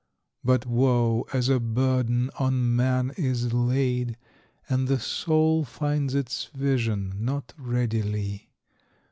But woe as a burden on man is laid, And the soul finds its vision not readily.